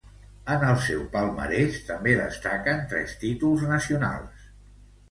En el seu palmarès també destaquen tres títols nacionals.